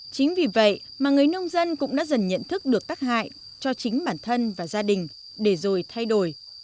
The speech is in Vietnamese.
chính vì vậy mà người nông dân cũng đã dần nhận thức được tác hại cho chính bản thân và gia đình để rồi thay đổi